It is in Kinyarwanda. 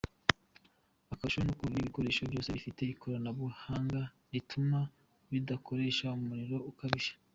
Akarusho nuko ibi bikoresho byose bifite ikoranabuhanga rituma bidakoresha umuriro ukabije .